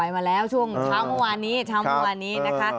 ไปมาแล้วช่วงเช้ามือวานนี้นะคะ